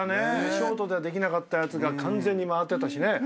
ショートではできなかったやつが完全に回ってたしね。